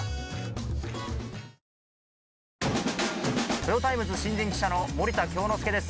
トヨタイムズ新人記者の森田京之介です。